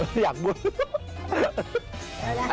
ทำลายไป